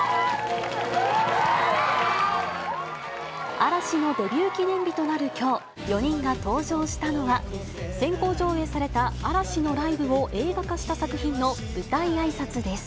嵐のデビュー記念日となるきょう、４人が登場したのは、先行上映された、嵐のライブを映画化した作品の舞台あいさつです。